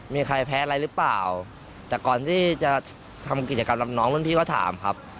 มีใครแพ้อะไรหรือเปล่าแต่ก่อนที่จะทำกิจกรรมรับน้องรุ่นพี่ก็ถามครับ